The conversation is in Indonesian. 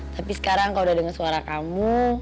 tapi sekarang kau udah denger suara kamu